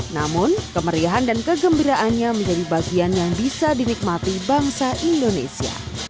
namun kemeriahan dan kegembiraannya menjadi bagian yang bisa dinikmati bangsa indonesia